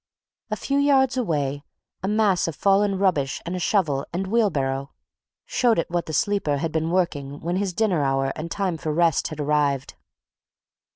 A few yards away, a mass of fallen rubbish and a shovel and wheelbarrow showed at what the sleeper had been working when his dinner hour and time for rest had arrived.